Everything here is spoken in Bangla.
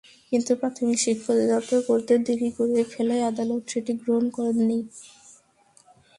কিন্তু প্রাথমিক শিক্ষা অধিদপ্তর করতে দেরি করে ফেলায় আদালত সেটি গ্রহণ করেননি।